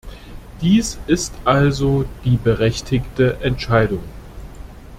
Dies ist also die berechtigte Entscheidung.